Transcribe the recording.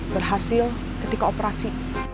berhasil ketika operasi